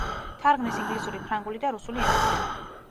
თარგმნის ინგლისური, ფრანგული და რუსული ენებიდან.